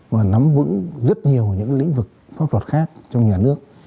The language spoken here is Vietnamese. và nắm vững rất nhiều những lĩnh vực pháp luật khác trong nhà nước